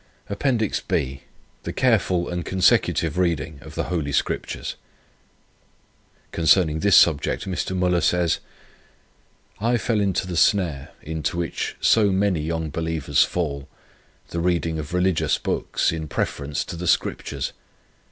APPENDIX B THE CAREFUL AND CONSECUTIVE READING OF THE HOLY SCRIPTURES Concerning this subject Mr. Müller says: "I fell into the snare, into which so many young believers fall, the reading of religious books in preference to the Scriptures.